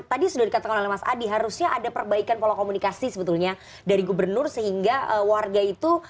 tadi sudah dikatakan oleh mas adi harusnya ada perbaikan pola komunikasi sebetulnya dari gubernur sehingga warga itu